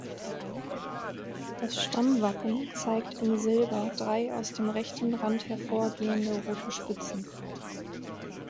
Das Stammwappen zeigt in Silber drei aus dem rechten Rand hervorgehende rote Spitzen.